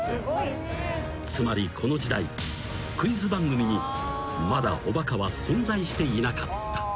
［つまりこの時代クイズ番組にまだおバカは存在していなかった］